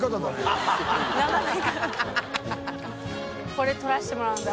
これ撮らせてもらうんだ。